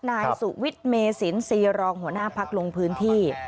นายสุวิทย์เมสินซีรองหัวหน้าพักลงพื้นที่